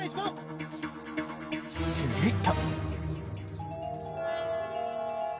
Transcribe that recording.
すると。